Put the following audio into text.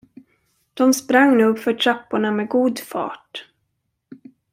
De sprang nu uppför trapporna med god fart.